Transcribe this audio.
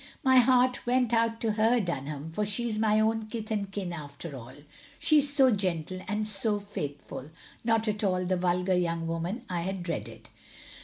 My heart went out to her, Dunham, for she is my own kith and kin after all. She is so gentle and so faithful. Not at all the vulgar young woman I had dreaded.